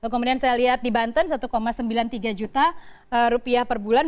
kemudian saya lihat di banten satu sembilan puluh tiga juta rupiah per bulan